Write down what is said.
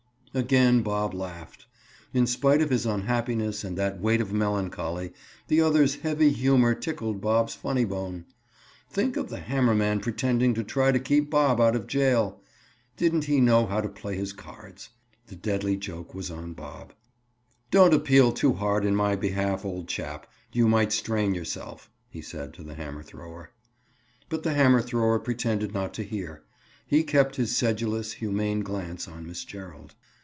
Again Bob laughed. In spite of his unhappiness and that weight of melancholy, the other's heavy humor tickled Bob's funny bone. Think of the hammer man pretending to try to keep Bob out of jail! Didn't he know how to play his cards? The deadly joke was on Bob. "Don't appeal too hard in my behalf, old chap; you might strain yourself," he said to the hammer thrower. But the hammer thrower pretended not to hear. He kept his sedulous, humane glance on Miss Gerald.